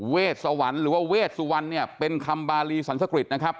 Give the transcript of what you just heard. สวรรค์หรือว่าเวชสุวรรณเนี่ยเป็นคำบารีสันสกริจนะครับ